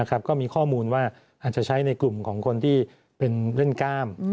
ก็มีข้อมูลว่าอาจจะใช้ในกลุ่มของคนที่เป็นเล่นกล้าม